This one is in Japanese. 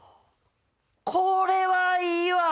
これはいいわ！